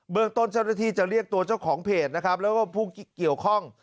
เมืองต้นเจ้าหน้าที่จะเรียกตัวเจ้าของเพจนะครับแล้วก็ผู้เกี่ยวข้อง